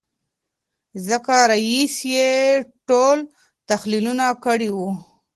ځکه رییس ټول تحلیلونه کړي وو.